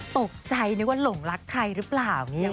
ตกใจนึกว่าหลงรักใครหรือเปล่า